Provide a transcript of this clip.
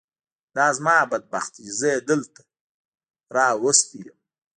دا زما بد بخت دی چې زه یې دلته راوستی یم.